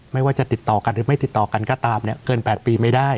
ไม่ว่าจะติดต่อกันหรือไม่ติดต่อกันก็ตามเนี่ยเกิน๘ปีไม่ได้